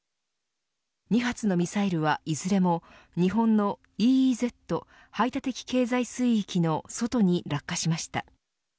２発のミサイルはいずれも日本のＥＥＺ排他的経済水域の外に落下しました。